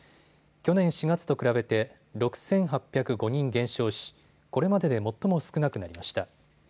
去年４月と比べて６８０５人減少しこれまでで最も少なくなりました。